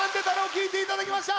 きいていただきました。